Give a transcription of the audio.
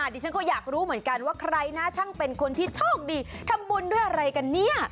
ดิฉันก็อยากรู้เหมือนกันว่าใครนะช่างเป็นคนที่โชคดีทำบุญด้วยอะไรกันเนี่ย